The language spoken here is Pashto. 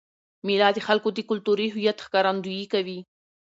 مېله د خلکو د کلتوري هویت ښکارندويي کوي.